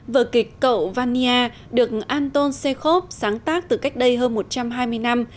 vợ kịch cậu vania được anton shekhov sáng tác từ cách đây hơn một trăm hai mươi năm